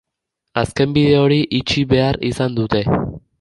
Azken bide hori itxi behar izan dute.